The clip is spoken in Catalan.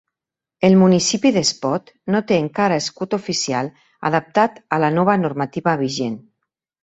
El municipi d'Espot no té encara escut oficial adaptat a la nova normativa vigent.